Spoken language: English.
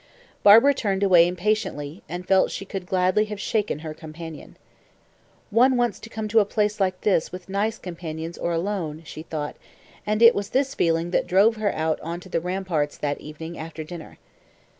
Barbara turned away impatiently, and felt she could gladly have shaken her companion. "One wants to come to a place like this with nice companions or alone," she thought, and it was this feeling that drove her out on to the ramparts that evening after dinner.